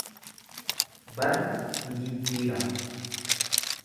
Barri nijijjiirama.